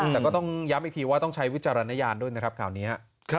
แต่ก็ต้องย้ำอีกทีว่าต้องใช้วิจารณญาณด้วยนะครับข่าวนี้